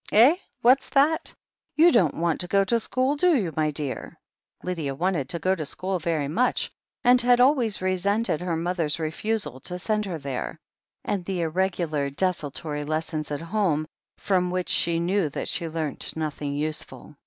"Eh, what's that ? You don't want to go to school, do you, my dear?" Lydia wanted to go to school very much, and had alwa3rs resented her mother's refusal to send her there, and the irregular, desultory lessons at home, from which she knew that she learnt nothing useful.